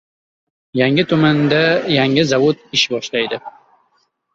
Yangi tumanda yangi zavod ish boshlaydi